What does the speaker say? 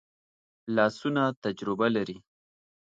لاسونه تجربه لري